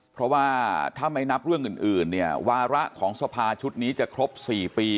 เพราะว่าถ้าไม่นับเรื่องอื่นเนี่ยวาระของสภาชุดนี้จะครบ๔ปี